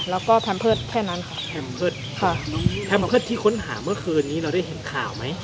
แล้วก็แพมเพิร์ตแค่นั้นค่ะแพมเพิร์ตค่ะแพมเตอร์ที่ค้นหาเมื่อคืนนี้เราได้เห็นข่าวไหม